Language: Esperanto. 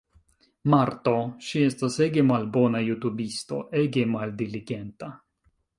Marto. Ŝi estas ege malbona jutubisto, ege maldiligenta